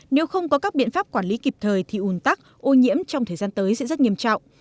nếu không có các biện pháp quản lý kịp thời thì ủn tắc ô nhiễm trong thời gian tới sẽ rất nghiêm trọng